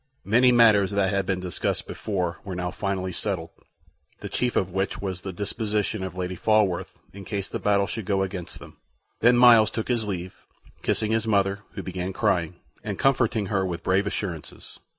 Many matters that had been discussed before were now finally settled, the chief of which was the disposition of Lady Falworth in case the battle should go against them. Then Myles took his leave, kissing his mother, who began crying, and comforting her with brave assurances.